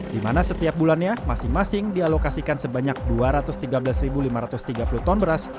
di mana setiap bulannya masing masing dialokasikan sebanyak dua ratus tiga belas lima ratus tiga puluh ton beras